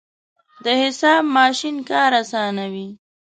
د حساب ماشین کار اسانوي.